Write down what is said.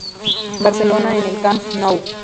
Barcelona en el Camp Nou..